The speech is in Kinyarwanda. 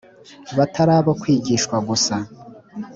batari abo kwigishwa gusa,